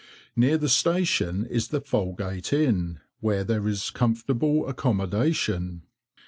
Near the station is the "Falgate" Inn, where there is comfortable accommodation.